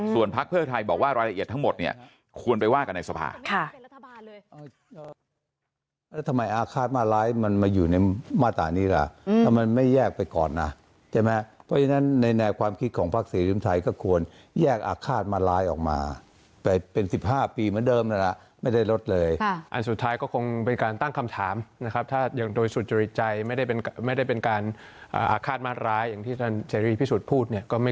ส่วนพักเพื่อไทยบอกว่ารายละเอียดทั้งหมดเนี่ยควรไปว่ากันในสภา